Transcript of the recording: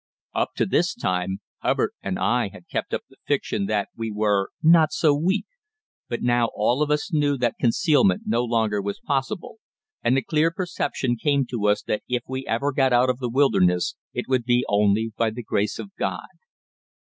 Up to this time Hubbard and I had kept up the fiction that we were "not so weak," but now all of us knew that concealment no longer was possible, and the clear perception came to us that if we ever got out of the wilderness it would be only by the grace of God.